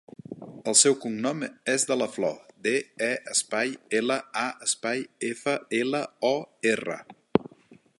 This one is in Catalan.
El seu cognom és De La Flor: de, e, espai, ela, a, espai, efa, ela, o, erra.